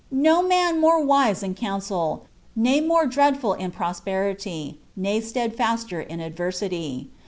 No man mote wise in counsel, ne more droacuul in prosperity, ne stediaster in adversity.